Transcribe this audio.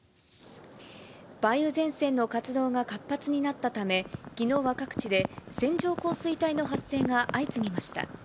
梅雨前線の活動が活発になったため、きのうは各地で線状降水帯の発生が相次ぎました。